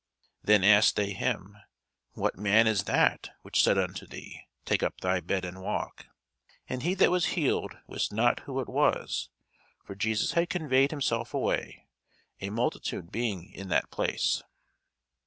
Then asked they him, What man is that which said unto thee, Take up thy bed, and walk? And he that was healed wist not who it was: for Jesus had conveyed himself away, a multitude being in that place.